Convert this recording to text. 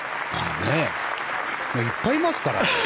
いっぱいいますから。